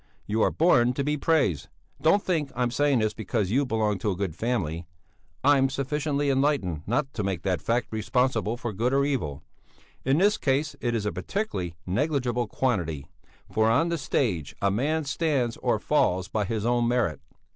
You are born to be praised; don't think I'm saying this because you belong to a good family; I'm sufficiently enlightened not to make that fact responsible for good or evil; in this case it is a particularly negligible quantity, for on the stage a man stands or falls by his own merit.